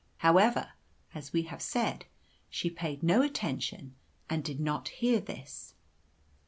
However, as we have said, she paid no attention, and did not hear this.